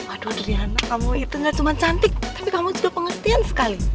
aduh triana kamu itu gak cuman cantik tapi kamu juga pengestian sekali